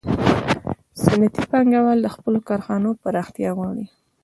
صنعتي پانګوال د خپلو کارخانو پراختیا غواړي